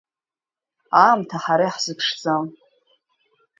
Аамҭа ҳара иаҳзыԥшӡам.